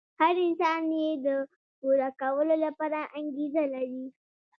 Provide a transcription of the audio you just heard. هر انسان يې د پوره کولو لپاره انګېزه لري.